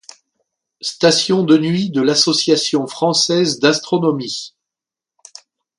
Station de Nuit de l'Association Française d'Astronomie.